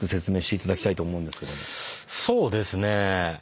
そうですね。